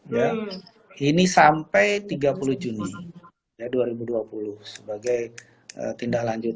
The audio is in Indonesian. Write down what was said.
ya ini sampai tiga puluh juni dua ribu dua puluh sebagai tindak lanjut